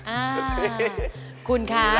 อ่าคุณครับ